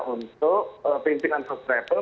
untuk pimpinan first travel